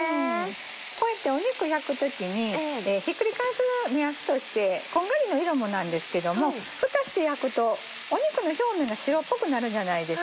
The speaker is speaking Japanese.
こうやって肉焼く時にひっくり返す目安としてこんがりの色もなんですけどもフタして焼くと肉の表面が白っぽくなるじゃないですか。